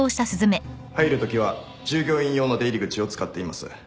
入るときは従業員用の出入り口を使っています。